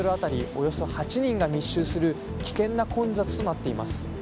およそ８人が密集する危険な混雑となっています。